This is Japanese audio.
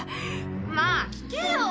まあ聞けよ。